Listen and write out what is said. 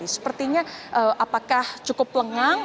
sepertinya apakah cukup lengang